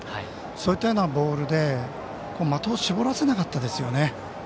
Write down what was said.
そういったボールで的を絞らせなかったですよね。